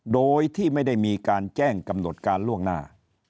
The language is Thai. โดยที่ไม่ได้มีการแจ้งกำหนดการล่วงหน้า